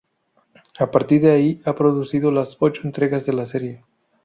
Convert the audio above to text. A partir de ahí ha producido las ocho entregas de la serie.